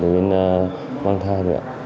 đến mang thai rồi ạ